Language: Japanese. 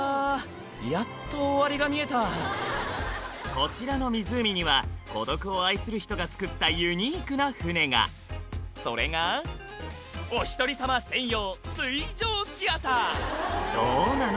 やっと終わりが見えたこちらの湖には孤独を愛する人が作ったユニークな舟がそれがお１人様専用水上シアターどうなの？